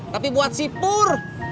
tapi buat sipur